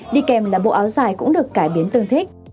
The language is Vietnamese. đi kèm là bộ áo dài cũng được cải biến tương thích